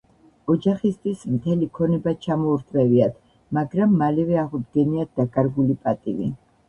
ოჯახისათვის მთელი ქონება ჩამოურთმევიათ, მაგრამ მალევე აღუდგენიათ დაკარგული პატივი.